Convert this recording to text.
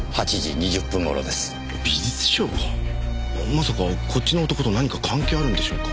まさかこっちの男と何か関係あるんでしょうか。